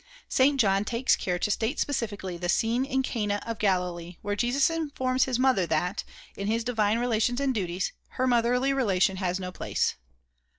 St. John takes care to state specifically the scene in Cana of Galilee where Jesus informs his mother that, in his divine relations and duties, her motherly relation has no place.